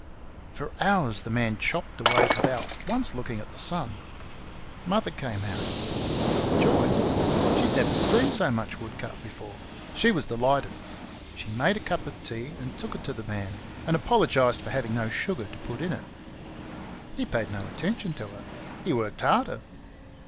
For hours the man chopped away without once looking at the sun. Mother came out. Joy! She had never seen so much wood cut before. She was delighted. She made a cup of tea and took it to the man, and apologised for having no sugar to put in it. He paid no attention to her; he worked harder.